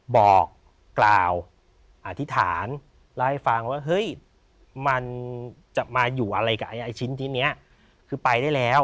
บอกกล่าวอธิษฐานเล่าให้ฟังว่าเฮ้ยมันจะมาอยู่อะไรกับไอ้ชิ้นที่นี้คือไปได้แล้ว